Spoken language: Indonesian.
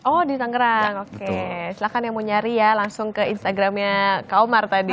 oh di tangerang oke silahkan yang mau nyari ya langsung ke instagramnya kak omar tadi